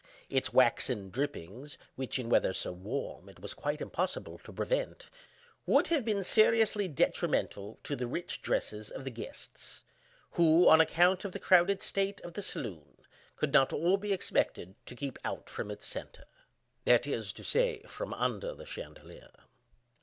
Its waxen drippings (which, in weather so warm, it was quite impossible to prevent) would have been seriously detrimental to the rich dresses of the guests, who, on account of the crowded state of the saloon, could not all be expected to keep from out its centre; that is to say, from under the chandelier.